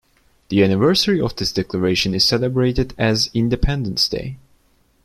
The anniversary of this declaration is celebrated as Independence Day.